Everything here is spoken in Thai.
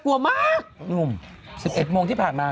คนงานป่ะ